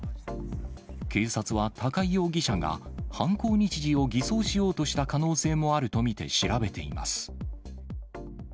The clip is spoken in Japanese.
警察は高井容疑者が、犯行日時を偽装しようとした可能性もあると見て調べています。